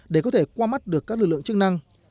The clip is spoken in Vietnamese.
để có thể qua mắt được các lực lượng chức năng